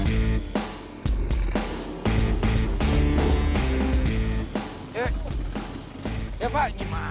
iya kamu teh yang pernah nolongin saya sama abah